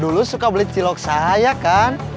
dulu suka beli tilok saya kan